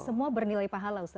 semua bernilai pahala ustaz